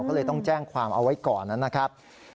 ก็เลยต้องแจ้งความเอาไว้ก่อนนะครับ